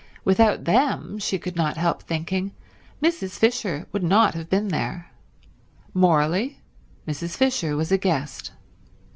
Without them, she could not help thinking, Mrs. Fisher would not have been there. Morally Mrs. Fisher was a guest.